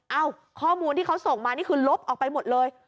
ข้อมูลที่เขาส่งมานี่คือลบออกไปหมดเลย